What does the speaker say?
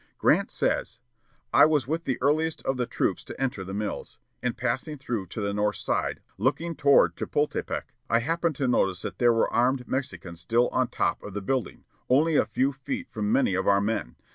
Grant says, "I was with the earliest of the troops to enter the mills. In passing through to the north side, looking toward Chepultepec, I happened to notice that there were armed Mexicans still on top of the building, only a few feet from many of our men.